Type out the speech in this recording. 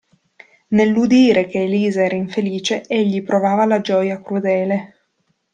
Nell'udire che Elisa era infelice, egli provava la gioia crudele.